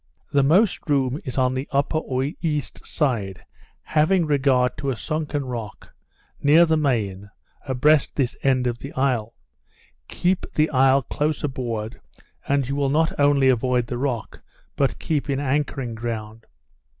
The most room is on the upper or east side, having regard to a sunken rock, near the main, abreast this end of the isle: Keep the isle close aboard, and you will not only avoid the rock, but keep in anchoring ground.